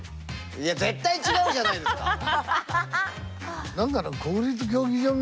いや絶対違うじゃないですか。